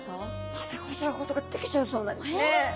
ため込んじゃうことができちゃうそうなんですね！